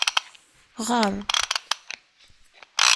Ɣeṛ.